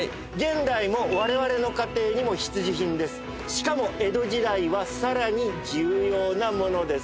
しかも江戸時代はさらに重要なものです。